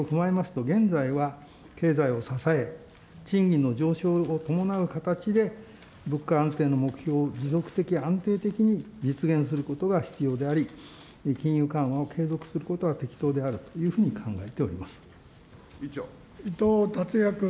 こうした状況を踏まえますと、現在は経済を支え、賃金の上昇を伴う形で物価安定の目標を持続的、安定的に実現することが必要であり、金融緩和を継続することは適当であるというふうに考えており伊藤達也君。